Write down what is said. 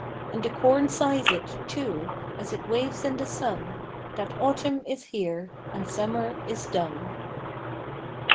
And the corn sighs it, too, as it waves in the sun, That autumn is here and summer is done.